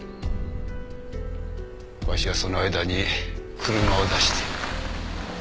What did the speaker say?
わしはその間に車を出して。